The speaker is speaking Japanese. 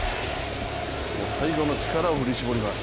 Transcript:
もう最後の力を振り絞ります。